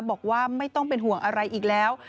บอกว่าไม่ต้องเป็นห่วงอะไรอีกแล้ว